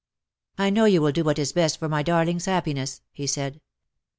" I know you will do what is best for my darling's happiness,'^ he said.